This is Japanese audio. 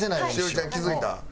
栞里ちゃん気付いた？